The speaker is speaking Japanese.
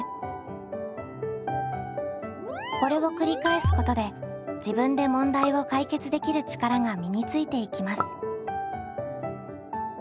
これを繰り返すことで自分で問題を解決できる力が身についていきます。